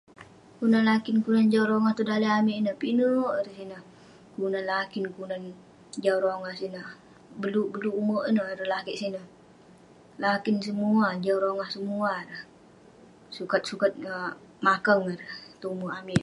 Kelunan lakin, kelunan jau rongah tong daleh amik ineh, pinek ireh sineh. Kelunan lakin, kelunan jau rongah sineh, beluk beluk ume' ineh, ireh lakeik sineh. Lakin semuah, jau rongah semuah. Sukat sukat makang ireh tong ume amik.